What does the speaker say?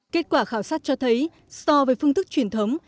kết quả khảo sát cho thấy so với phương thức truyền thống